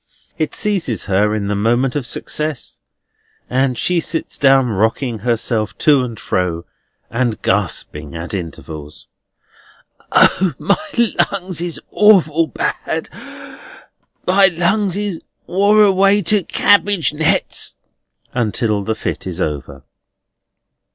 It seizes her in the moment of success, and she sits down rocking herself to and fro, and gasping at intervals: "O, my lungs is awful bad! my lungs is wore away to cabbage nets!" until the fit is over.